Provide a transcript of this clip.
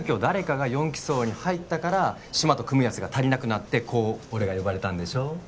誰かが４機捜に入ったから志摩と組むやつが足りなくなってこう俺が呼ばれたんでしょ？